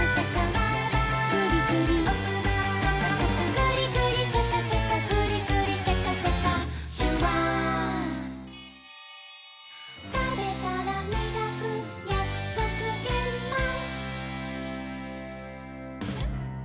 「グリグリシャカシャカグリグリシャカシャカ」「シュワー」「たべたらみがくやくそくげんまん」